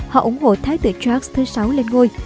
họ ủng hộ thái tử george vi lên ngôi